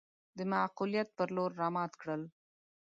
د معقوليت پر لور رامات کړل.